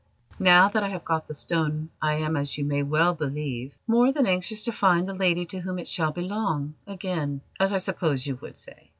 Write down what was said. Now that I have got the stone I am, as you may well believe, more than anxious to find the lady to whom it shall belong again, as I suppose you would say.